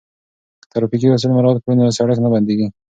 که ترافیکي اصول مراعات کړو نو سړک نه بندیږي.